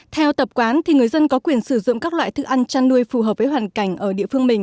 theo tập quán thì người dân có quyền sử dụng các loại thức ăn chăn nuôi phù hợp với hoàn cảnh ở địa phương mình